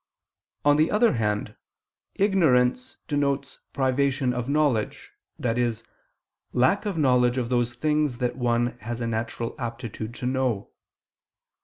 On the other hand, ignorance denotes privation of knowledge, i.e. lack of knowledge of those things that one has a natural aptitude to know.